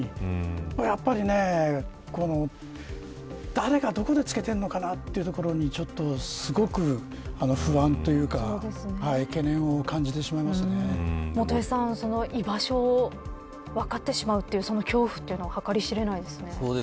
やっぱり、誰がどこで付けてるのかなというところにすごく不安というか元榮さん居場所が分かってしまう恐怖というのは計り知れないですね。